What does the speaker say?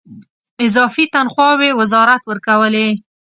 اضافي تنخواوې وزارت ورکولې.